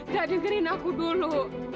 jadikanin aku dulu